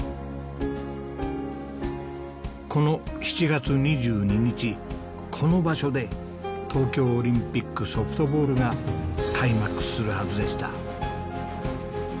この７月２２日この場所で東京オリンピックソフトボールが開幕するはずでした。